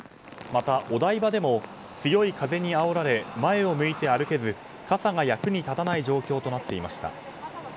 また、お台場でも強い風にあおられ前を向いて歩けず傘が役に立たない状況となっていました。